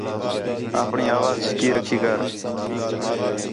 آپݨی اَواز جِھکّی رکھی کر